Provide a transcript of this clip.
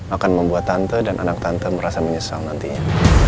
akan membuat tante dan anak tante merasa menyesal nantinya